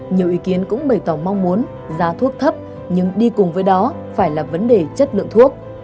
nhiều ý kiến cũng bày tỏ mong muốn giá thuốc thấp nhưng đi cùng với đó phải là vấn đề chất lượng thuốc